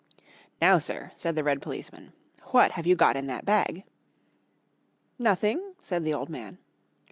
] "Now, sir," said the red policeman, "what have you got in that bag?" "Nothing," said the old man.